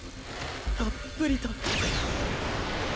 たっぷりと。